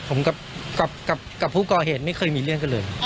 ผมกับผู้ก่อเหตุไม่เคยมีเรื่องกันเลย